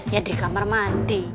ya di kamar mandi